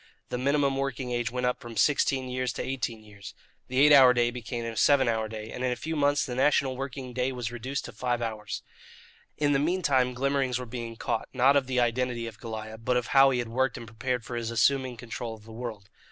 The minimum working age went up from sixteen years to eighteen years. The eight hour day became a seven hour day, and in a few months the national working day was reduced to five hours. In the meantime glimmerings were being caught, not of the identity of Goliah, but of how he had worked and prepared for his assuming control of the world.